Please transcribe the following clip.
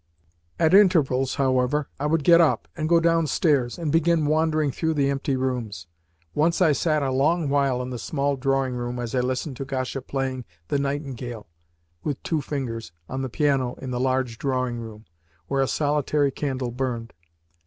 At intervals, however, I would get up, and go downstairs, and begin wandering through the empty rooms. Once I sat a long while in the small drawing room as I listened to Gasha playing "The Nightingale" (with two fingers) on the piano in the large drawing room, where a solitary candle burned.